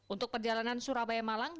untuk perjalanan surabaya malang